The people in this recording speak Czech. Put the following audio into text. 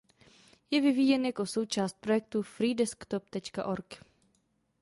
Je vyvíjen jako součást projektu freedesktop.org.